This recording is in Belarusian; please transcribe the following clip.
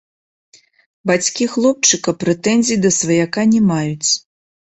Бацькі хлопчыка прэтэнзій да сваяка не маюць.